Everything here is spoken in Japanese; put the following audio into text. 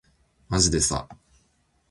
まじでさ